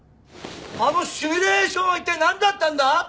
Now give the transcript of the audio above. あのシミュレーションは一体なんだったんだ！？